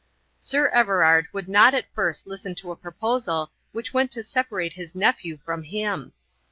Sir Everard would not at first listen to a proposal which went to separate his nephew from him.